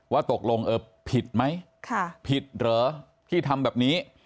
ว่าตกลงผิดไหมผิดเหรอที่ทำแบบนี้